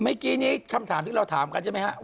เมื่อกี้นี้คำถามที่เราถามกันใช่ไหมครับ